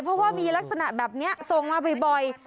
เพราะว่ามีลักษณะแบบนี้ส่งมาบ่อย